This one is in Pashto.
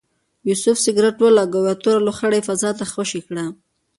یوسف سګرټ ولګاوه او یوه توره لوخړه یې فضا ته خوشې کړه.